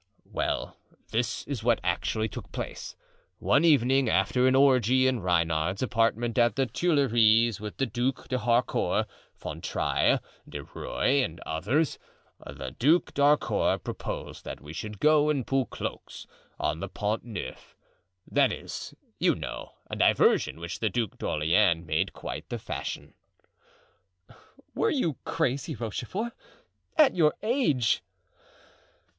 "Well, this is what actually took place: One evening after an orgy in Reinard's apartment at the Tuileries with the Duc d'Harcourt, Fontrailles, De Rieux and others, the Duc d'Harcourt proposed that we should go and pull cloaks on the Pont Neuf; that is, you know, a diversion which the Duc d'Orleans made quite the fashion." "Were you crazy, Rochefort? at your age!"